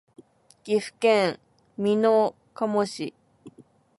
岐阜県美濃加茂市